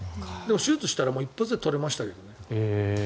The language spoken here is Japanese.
手術したら痛みは一発で取れましたけどね。